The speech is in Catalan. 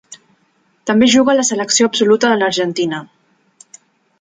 També juga a la selecció absoluta de l'Argentina.